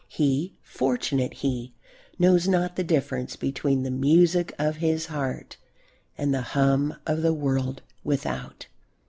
He, fortunate he, knows not the difference between the music of his heart and the hum of the world without.